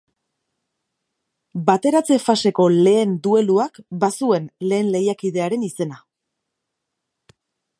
Bateratze faseko lehen dueluak bazuen lehen lehiakidearen izena.